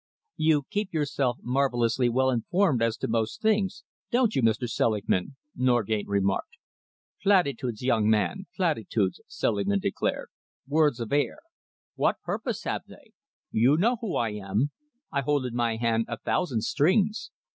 "You keep yourself marvellously well informed as to most things, don't you, Mr. Selingman?" Norgate remarked. "Platitudes, young man, platitudes," Selingman declared, "words of air. What purpose have they? You know who I am. I hold in my hand a thousand strings.